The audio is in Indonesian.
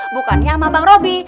bukannya sama abang robi